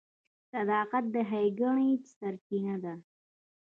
• صداقت د ښېګڼې سرچینه ده.